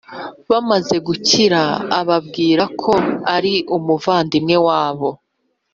bamaze gukira ababwira ko ari umuvandimwe wabo,